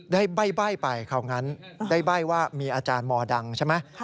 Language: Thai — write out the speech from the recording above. ใบ้ไปคราวงั้นได้ใบ้ว่ามีอาจารย์มดังใช่ไหม